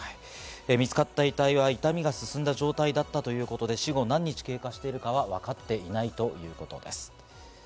見つかった遺体は傷みが進んだ状態ということで、死後何日経過しているか分かっていないということです。